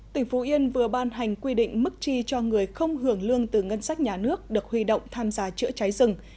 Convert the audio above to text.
tỉnh phú yên vừa ban hành quy định mức chi cho người không hưởng lương từ ngân sách nhà nước được huy động tham gia chữa cháy rừng